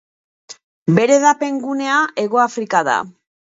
Bere hedapen gunea Hegoafrika da.